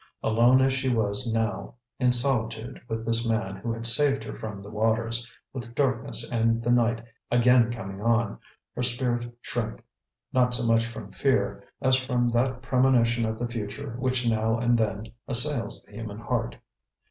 Alone as she was now, in solitude with this man who had saved her from the waters, with darkness and the night again coming on, her spirit shrank; not so much from fear, as from that premonition of the future which now and then assails the human heart.